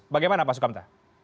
bagaimana pak sukamta